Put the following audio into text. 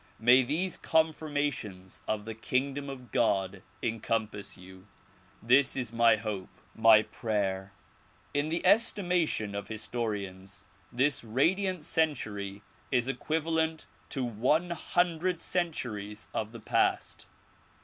May these confirniations of the kingdom of God encompass you. This is my hope, my prayer. In the estimation of historians this radiant century is equivalent to one hundred centuries of the past.